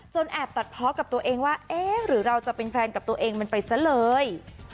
แอบตัดเพาะกับตัวเองว่าเอ๊ะหรือเราจะเป็นแฟนกับตัวเองมันไปซะเลย